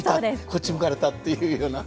こっち向かれた」っていうような。